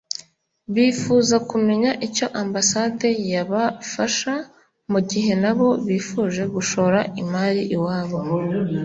bifuza kumenya icyo Ambasade yabafasha mu gihe nabo bifuje gushora imari iwabo